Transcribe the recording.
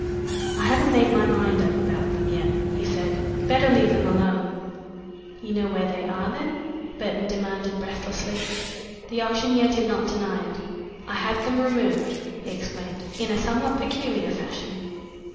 "I haven't made up my mind about them yet," he said. "Better leave them alone." "You do know where they are, then?" Burton demanded breathlessly. The auctioneer did not deny it. "I had them removed," he explained "in a somewhat peculiar fashion.